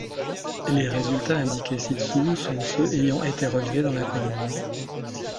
Les résultats indiqués ci-dessous sont ceux ayant été relevés dans la commune.